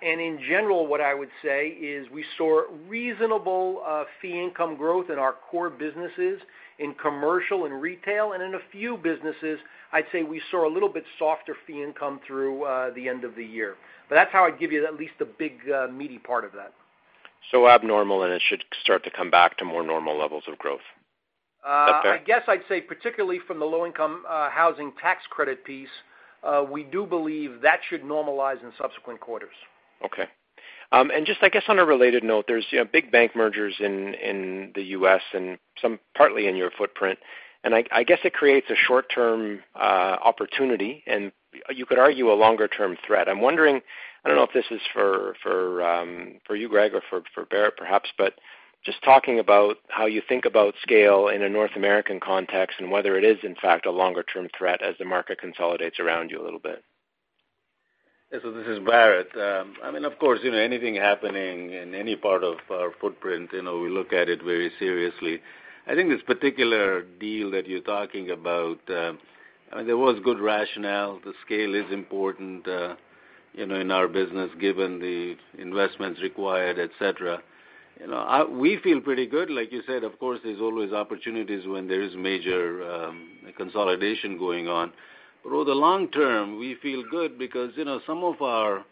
In general, what I would say is we saw reasonable fee income growth in our core businesses, in commercial and retail, and in a few businesses, I'd say we saw a little bit softer fee income through the end of the year. That's how I'd give you at least the big meaty part of that. Abnormal, and it should start to come back to more normal levels of growth. Is that fair? I guess I'd say particularly from the Low-Income Housing Tax Credit piece, we do believe that should normalize in subsequent quarters. Okay. Just I guess on a related note, there's big bank mergers in the U.S. and some partly in your footprint. I guess it creates a short-term opportunity, and you could argue a longer-term threat. I'm wondering, I don't know if this is for you, Greg, or for Bharat perhaps, but just talking about how you think about scale in a North American context and whether it is in fact a longer-term threat as the market consolidates around you a little bit. Yeah. This is Bharat. Of course, anything happening in any part of our footprint, we look at it very seriously. I think this particular deal that you're talking about, there was good rationale. The scale is important in our business given the investments required, et cetera. We feel pretty good. Like you said, of course, there's always opportunities when there is major consolidation going on. Over the long term, we feel good because some of our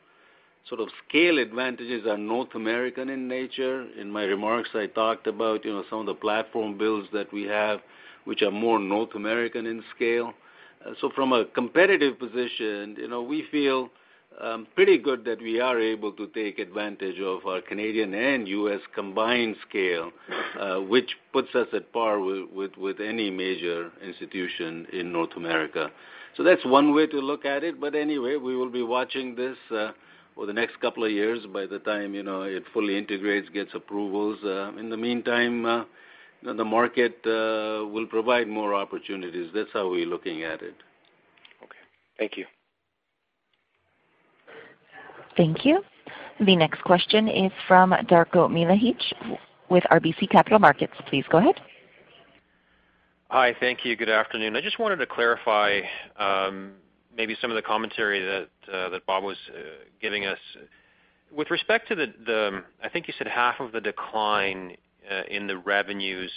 sort of scale advantages are North American in nature. In my remarks, I talked about some of the platform builds that we have, which are more North American in scale. From a competitive position, we feel pretty good that we are able to take advantage of our Canadian and U.S. combined scale, which puts us at par with any major institution in North America. That's one way to look at it. Anyway, we will be watching this over the next couple of years by the time it fully integrates, gets approvals. In the meantime, the market will provide more opportunities. That's how we're looking at it. Okay. Thank you. Thank you. The next question is from Darko Mihelic with RBC Capital Markets. Please go ahead. Hi. Thank you. Good afternoon. I just wanted to clarify maybe some of the commentary that Bob was giving us. With respect to the, I think you said half of the decline in the revenues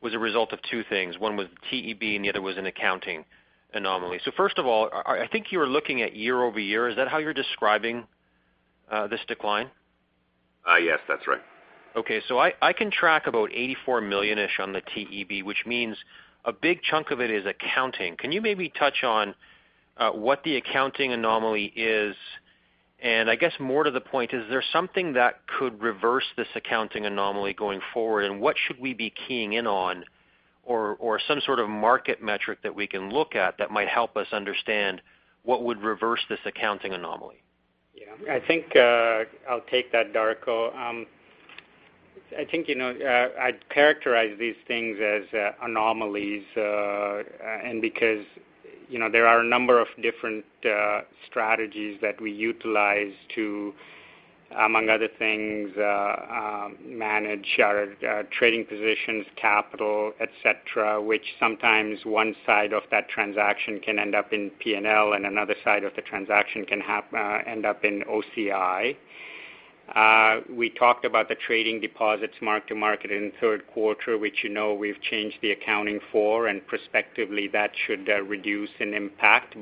was a result of two things. One was TEB and the other was an accounting anomaly. First of all, I think you were looking at year-over-year. Is that how you're describing this decline? Yes, that's right. Okay. I can track about 84 million-ish on the TEB, which means a big chunk of it is accounting. Can you maybe touch on what the accounting anomaly is? I guess more to the point, is there something that could reverse this accounting anomaly going forward? What should we be keying in on or some sort of market metric that we can look at that might help us understand what would reverse this accounting anomaly? Yeah. I think I'll take that, Darko. I think I'd characterize these things as anomalies because there are a number of different strategies that we utilize to, among other things, manage our trading positions, capital, et cetera, which sometimes one side of that transaction can end up in P&L and another side of the transaction can end up in OCI. We talked about the trading deposits mark to market in the third quarter, which we've changed the accounting for, and prospectively that should reduce an impact.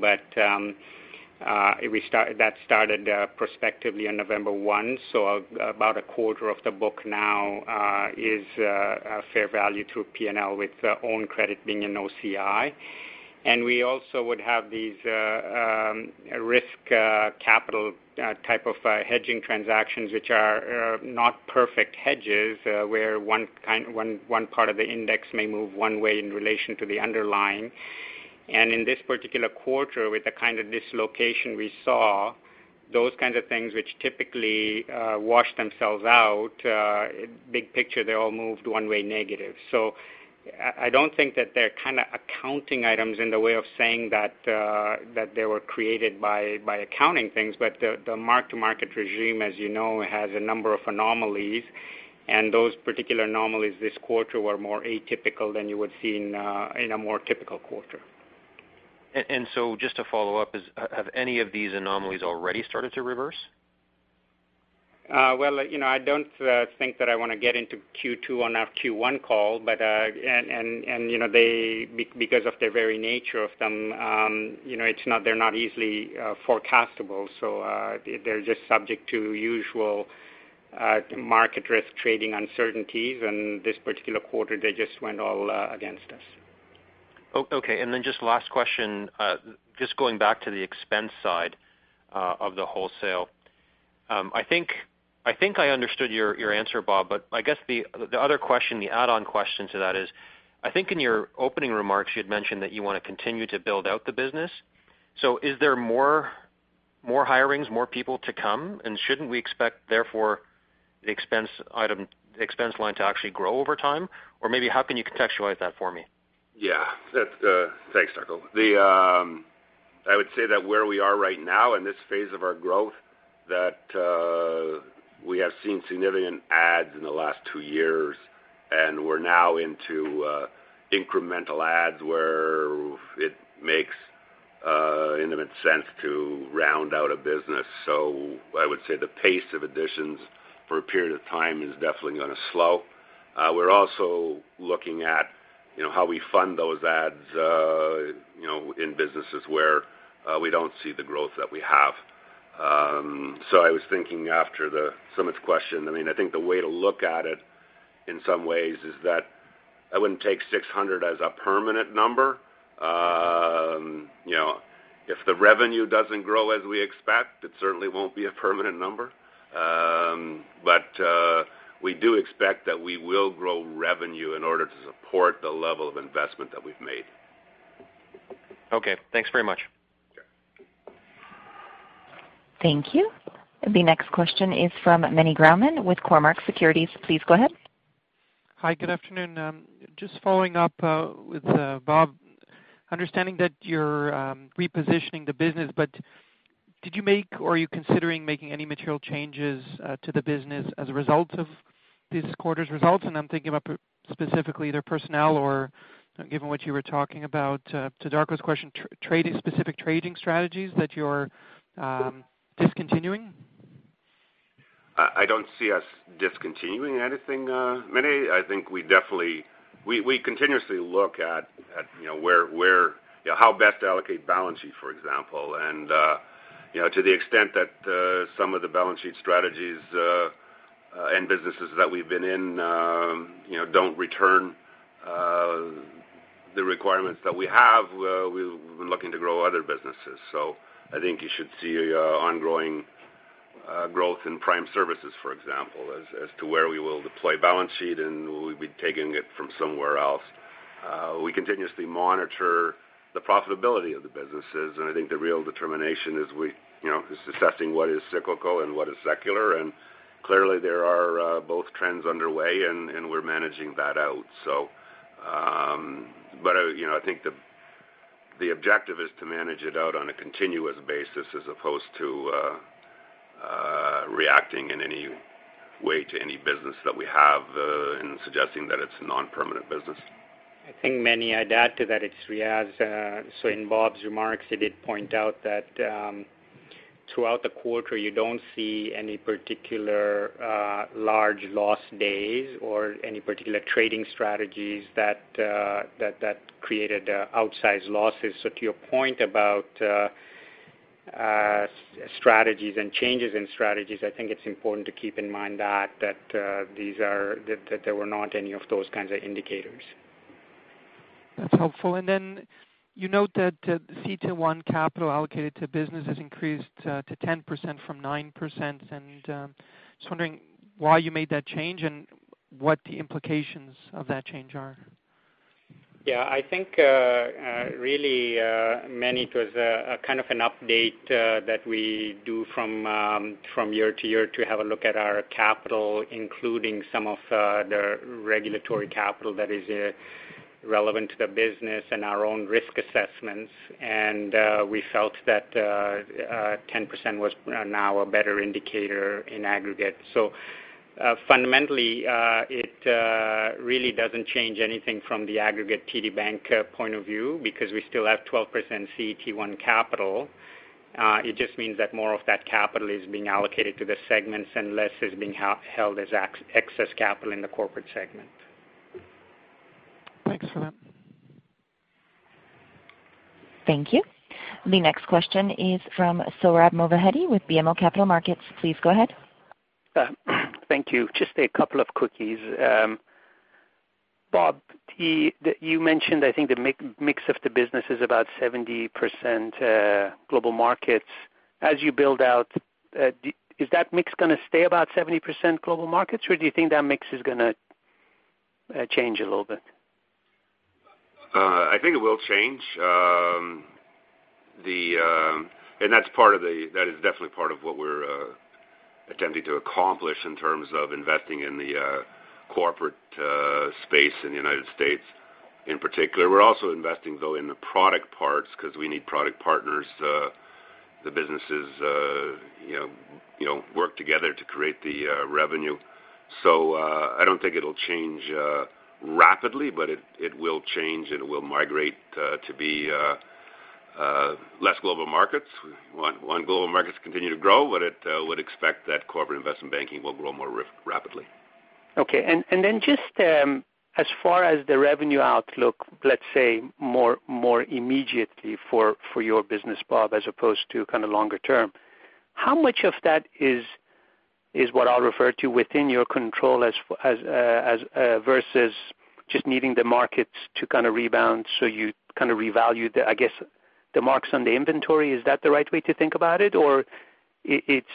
That started prospectively on November 1, so about a quarter of the book now is a fair value to P&L with own credit being an OCI. We also would have these risk capital type of hedging transactions, which are not perfect hedges where one part of the index may move one way in relation to the underlying. In this particular quarter, with the kind of dislocation we saw, those kinds of things which typically wash themselves out, big picture, they all moved one way negative. I don't think that they're kind of accounting items in the way of saying that they were created by accounting things, the mark to market regime, as you know, has a number of anomalies, and those particular anomalies this quarter were more atypical than you would see in a more typical quarter. Just to follow up, have any of these anomalies already started to reverse? Well, I don't think that I want to get into Q2 on our Q1 call, because of their very nature of them, they're not easily forecastable. They're just subject to usual market risk trading uncertainties, this particular quarter, they just went all against us. Just last question, just going back to the expense side of the Wholesale Banking. I think I understood your answer, Bob, I guess the other question, the add-on question to that is, I think in your opening remarks you had mentioned that you want to continue to build out the business. Is there more hirings, more people to come? Shouldn't we expect, therefore, the expense line to actually grow over time? Maybe how can you contextualize that for me? Thanks, Darko. I would say where we are right now in this phase of our growth, we have seen significant adds in the last two years, and we're now into incremental adds where it makes intimate sense to round out a business. I would say the pace of additions for a period of time is definitely going to slow. We're also looking at how we fund those adds in businesses where we don't see the growth that we have. I was thinking after Sumit's question, I think the way to look at it in some ways is I wouldn't take 600 as a permanent number. If the revenue doesn't grow as we expect, it certainly won't be a permanent number. We do expect that we will grow revenue in order to support the level of investment that we've made. Thanks very much. Sure. Thank you. The next question is from Meny Grauman with Cormark Securities. Please go ahead. Hi, good afternoon. Just following up with Bob, understanding that you're repositioning the business, did you make or are you considering making any material changes to the business as a result of this quarter's results? I'm thinking about specifically their personnel or, given what you were talking about to Darko's question, specific trading strategies that you're discontinuing. I don't see us discontinuing anything, Meny. I think we continuously look at how best to allocate balance sheet, for example. To the extent that some of the balance sheet strategies and businesses that we've been in don't return the requirements that we have, we've been looking to grow other businesses. I think you should see ongoing growth in prime services, for example, as to where we will deploy balance sheet, and we'll be taking it from somewhere else. We continuously monitor the profitability of the businesses, and I think the real determination is assessing what is cyclical and what is secular, and clearly there are both trends underway, and we're managing that out. I think the objective is to manage it out on a continuous basis as opposed to reacting in any way to any business that we have and suggesting that it's a non-permanent business. I think, Meny, I'd add to that. It's Riaz. In Bob's remarks, he did point out that throughout the quarter, you don't see any particular large loss days or any particular trading strategies that created outsized losses. To your point about strategies and changes in strategies, I think it's important to keep in mind that there were not any of those kinds of indicators. That's helpful. You note that CET1 capital allocated to business has increased to 10% from 9%. Just wondering why you made that change and what the implications of that change are. Yeah, I think really, Meny, it was kind of an update that we do from year to year to have a look at our capital, including some of the regulatory capital that is relevant to the business and our own risk assessments. We felt that 10% was now a better indicator in aggregate. Fundamentally, it really doesn't change anything from the aggregate TD Bank point of view because we still have 12% CET1 capital. It just means that more of that capital is being allocated to the segments and less is being held as excess capital in the corporate segment. Thanks for that. Thank you. The next question is from Sohrab Movahedi with BMO Capital Markets. Please go ahead. Thank you. Just a couple of quickies. Bob, you mentioned, I think the mix of the business is about 70% global markets. As you build out, is that mix going to stay about 70% global markets, or do you think that mix is going to change a little bit? I think it will change. That is definitely part of what we're attempting to accomplish in terms of investing in the corporate space in the U.S. in particular. We're also investing, though, in the product parts because we need product partners. The businesses work together to create the revenue. I don't think it'll change rapidly, but it will change, and it will migrate to be less global markets. One, global markets continue to grow, but I would expect that corporate investment banking will grow more rapidly. Okay. Just as far as the revenue outlook, let's say more immediately for your business, Bob, as opposed to kind of longer term, how much of that is what I'll refer to within your control versus just needing the markets to kind of rebound, you kind of revalue, I guess, the marks on the inventory? Is that the right way to think about it? I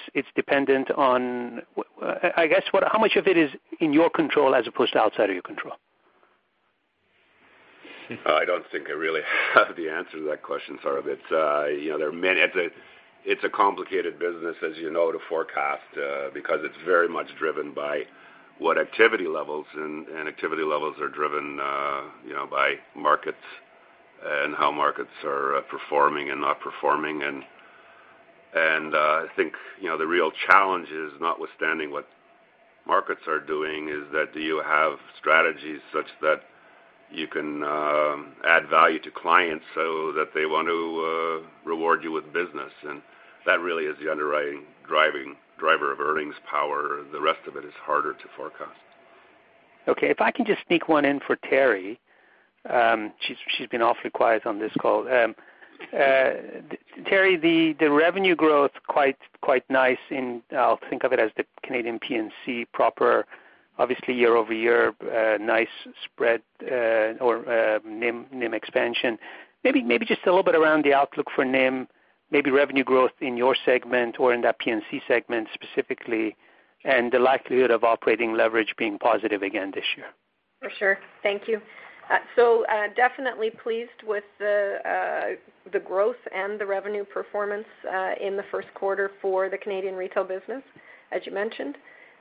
guess, how much of it is in your control as opposed to outside of your control? I don't think I really have the answer to that question, Sohrab. It's a complicated business, as you know, to forecast because it's very much driven by what activity levels, and activity levels are driven by markets and how markets are performing and not performing. I think the real challenge is notwithstanding what markets are doing is that do you have strategies such that you can add value to clients so that they want to reward you with business? That really is the underwriting driver of earnings power. The rest of it is harder to forecast. Okay, if I can just sneak one in for Teri. She's been awfully quiet on this call. Teri, the revenue growth quite nice in, I'll think of it as the Canadian P&C proper. Obviously, year-over-year, nice spread or NIM expansion. Maybe just a little bit around the outlook for NIM, maybe revenue growth in your segment or in that PNC segment specifically, the likelihood of operating leverage being positive again this year. For sure. Thank you. Definitely pleased with the growth and the revenue performance in the first quarter for the Canadian retail business, as you mentioned.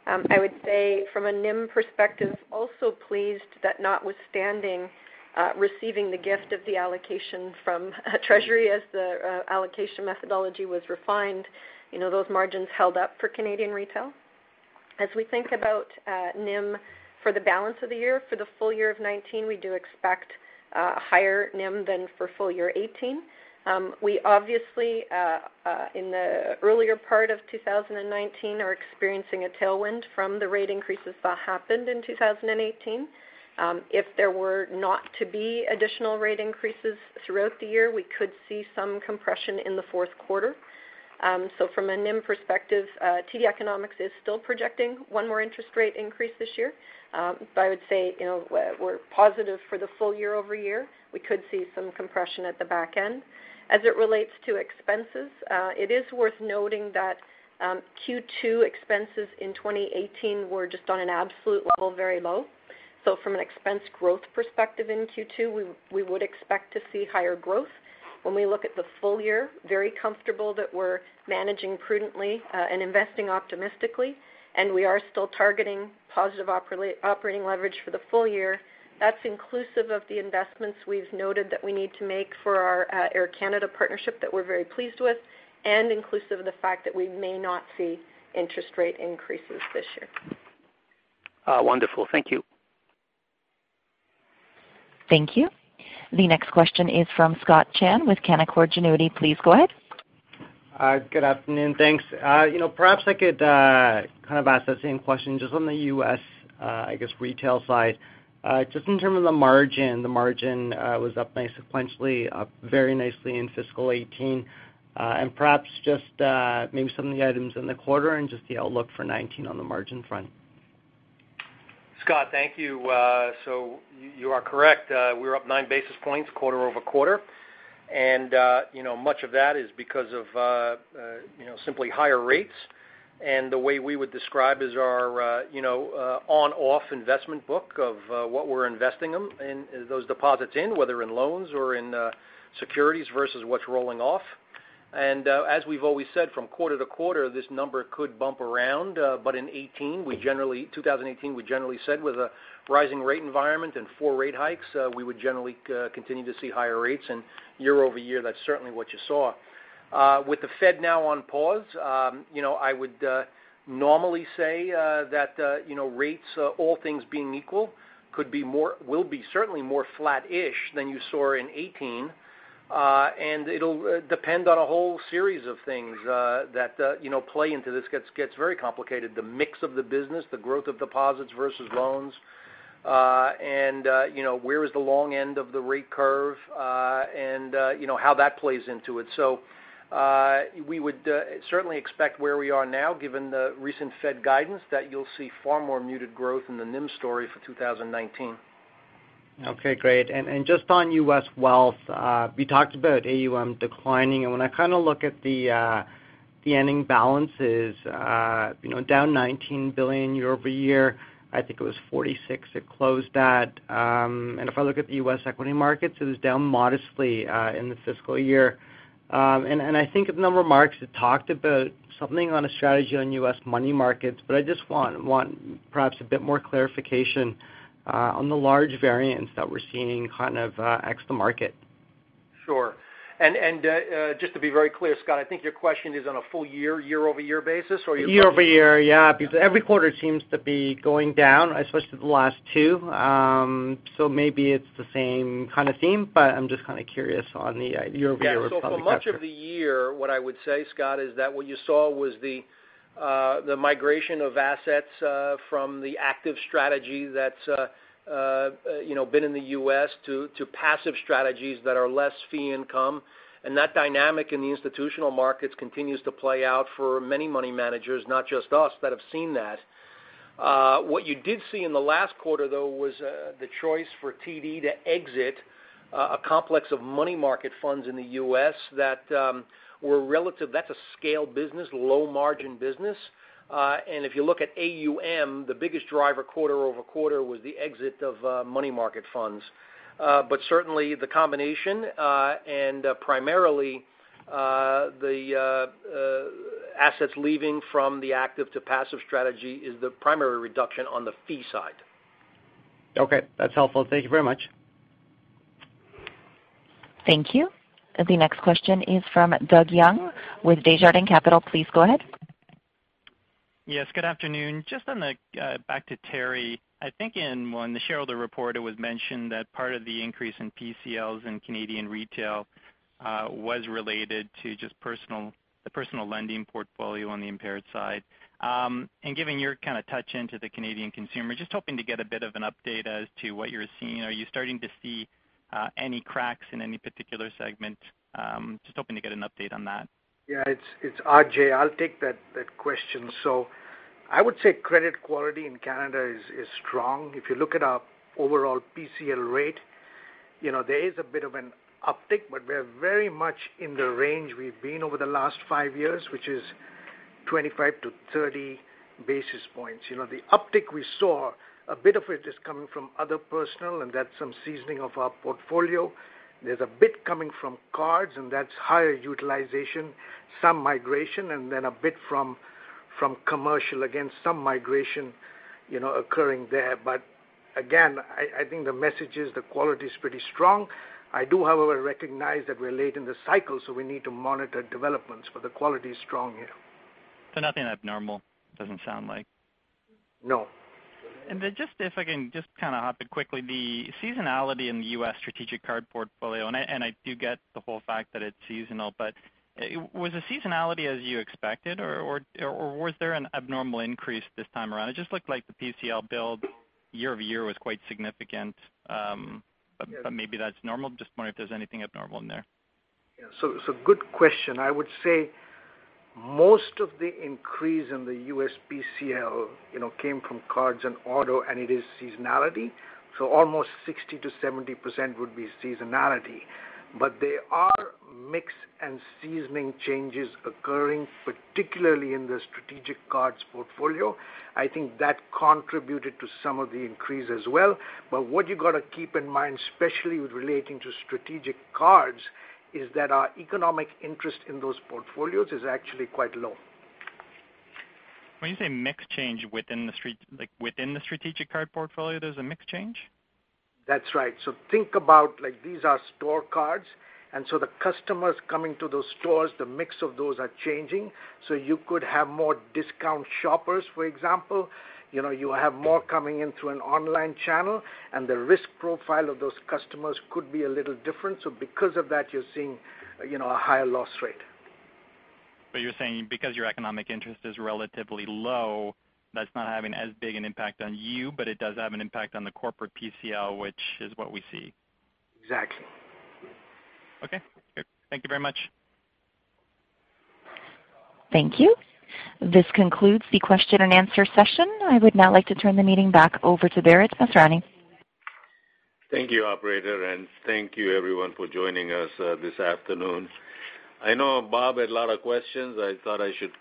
I would say from a NIM perspective, also pleased that notwithstanding receiving the gift of the allocation from treasury as the allocation methodology was refined, those margins held up for Canadian retail. As we think about NIM for the balance of the year, for the full year of 2019, we do expect a higher NIM than for full year 2018. We obviously in the earlier part of 2019 are experiencing a tailwind from the rate increases that happened in 2018. If there were not to be additional rate increases throughout the year, we could see some compression in the fourth quarter. From a NIM perspective, TD Economics is still projecting one more interest rate increase this year. I would say we're positive for the full year year-over-year. We could see some compression at the back end. As it relates to expenses, it is worth noting that Q2 expenses in 2018 were just on an absolute level, very low. From an expense growth perspective in Q2, we would expect to see higher growth. When we look at the full year, very comfortable that we're managing prudently and investing optimistically, and we are still targeting positive operating leverage for the full year. That's inclusive of the investments we've noted that we need to make for our Air Canada partnership that we're very pleased with, and inclusive of the fact that we may not see interest rate increases this year. Wonderful. Thank you. Thank you. The next question is from Scott Chan with Canaccord Genuity. Please go ahead. Good afternoon. Thanks. Perhaps I could kind of ask the same question just on the U.S., I guess, retail side. Just in terms of the margin, the margin was up nice sequentially, up very nicely in fiscal 2018. Perhaps just maybe some of the items in the quarter and just the outlook for 2019 on the margin front. Scott, thank you. You are correct. We're up nine basis points quarter-over-quarter. Much of that is because of simply higher rates. The way we would describe is our on-off investment book of what we're investing them in those deposits in, whether in loans or in securities versus what's rolling off. As we've always said, from quarter-to-quarter, this number could bump around. In 2018, we generally said with a rising rate environment and four rate hikes, we would generally continue to see higher rates and year-over-year, that's certainly what you saw. With the Fed now on pause, I would normally say that rates, all things being equal, will be certainly more flat-ish than you saw in 2018, and it'll depend on a whole series of things that play into this, gets very complicated. The mix of the business, the growth of deposits versus loans, and where is the long end of the rate curve, and how that plays into it. We would certainly expect where we are now, given the recent Fed guidance, that you'll see far more muted growth in the NIM story for 2019. Okay, great. Just on U.S. wealth, we talked about AUM declining, and when I look at the ending balances, down $19 billion year-over-year, I think it was $46 it closed at. If I look at the U.S. equity markets, it was down modestly in the fiscal year. I think in the remarks, it talked about something on a strategy on U.S. money markets, I just want, perhaps, a bit more clarification on the large variance that we're seeing kind of ex the market. Sure. Just to be very clear, Scott, I think your question is on a full year-over-year basis. Year-over-year, yeah. Every quarter seems to be going down, especially the last two. Maybe it's the same kind of theme, but I'm just kind of curious on the year-over-year. Yeah. For much of the year, what I would say, Scott, is that what you saw was the migration of assets from the active strategy that's been in the U.S. to passive strategies that are less fee income. That dynamic in the institutional markets continues to play out for many money managers, not just us, that have seen that. What you did see in the last quarter, though, was the choice for TD to exit a complex of money market funds in the U.S. That's a scale business, low margin business. If you look at AUM, the biggest driver quarter-over-quarter was the exit of money market funds. Certainly, the combination, and primarily the assets leaving from the active to passive strategy is the primary reduction on the fee side. Okay. That's helpful. Thank you very much. Thank you. The next question is from Doug Young with Desjardins Capital. Please go ahead. Yes, good afternoon. Just on the, back to Teri, I think in the shareholder report, it was mentioned that part of the increase in PCLs in Canadian Retail was related to just the personal lending portfolio on the impaired side. Given your kind of touch into the Canadian consumer, just hoping to get a bit of an update as to what you're seeing. Are you starting to see any cracks in any particular segment? Just hoping to get an update on that. Yeah, it's Ajai. I'll take that question. I would say credit quality in Canada is strong. If you look at our overall PCL rate, there is a bit of an uptick, but we're very much in the range we've been over the last five years, which is 25 to 30 basis points. The uptick we saw, a bit of it is coming from other personal, that's some seasoning of our portfolio. There's a bit coming from cards, that's higher utilization, some migration, then a bit from commercial. Again, some migration occurring there. Again, I think the message is the quality is pretty strong. I do, however, recognize that we're late in the cycle, we need to monitor developments, but the quality is strong here. Nothing abnormal, doesn't sound like. No. if I can hop in quickly, the seasonality in the U.S. strategic card portfolio, I do get the whole fact that it's seasonal, was the seasonality as you expected, or was there an abnormal increase this time around? It just looked like the PCL build year-over-year was quite significant. Maybe that's normal. Just wondering if there's anything abnormal in there. Good question. I would say most of the increase in the U.S. PCL came from cards and auto, it is seasonality. Almost 60%-70% would be seasonality, there are mix and seasoning changes occurring, particularly in the strategic cards portfolio. I think that contributed to some of the increase as well. What you got to keep in mind, especially with relating to strategic cards, is that our economic interest in those portfolios is actually quite low. When you say mix change within the strategic card portfolio, there's a mix change? That's right. Think about like these are store cards, the customers coming to those stores, the mix of those are changing. You could have more discount shoppers, for example. You have more coming in through an online channel, the risk profile of those customers could be a little different. Because of that, you're seeing a higher loss rate. You're saying because your economic interest is relatively low, that's not having as big an impact on you, but it does have an impact on the corporate PCL, which is what we see. Exactly. Okay. Thank you very much. Thank you. This concludes the question and answer session. I would now like to turn the meeting back over to Bharat Masrani. Thank you, operator, and thank you, everyone, for joining us this afternoon. I know Bob had a lot of questions. I thought I should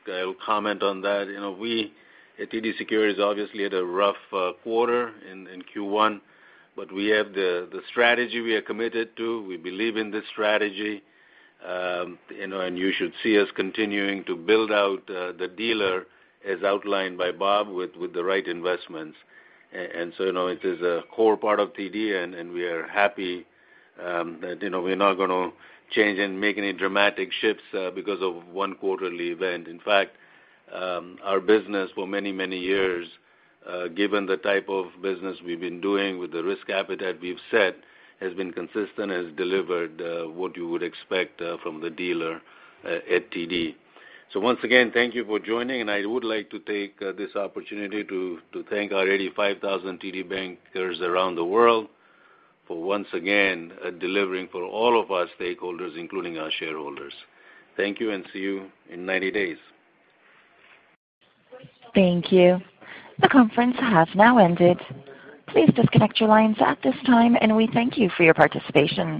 comment on that. We at TD Securities obviously had a rough quarter in Q1, but we have the strategy we are committed to. We believe in this strategy. You should see us continuing to build out the dealer as outlined by Bob with the right investments. It is a core part of TD, and we are happy that we're not going to change and make any dramatic shifts because of one quarterly event. In fact, our business for many, many years, given the type of business we've been doing with the risk appetite we've set, has been consistent, has delivered what you would expect from the dealer at TD. Thank you for joining, and I would like to take this opportunity to thank our 85,000 TD Bankers around the world for once again delivering for all of our stakeholders, including our shareholders. Thank you, and see you in 90 days. Thank you. The conference has now ended. Please disconnect your lines at this time, and we thank you for your participation.